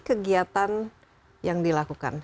kegiatan yang dilakukan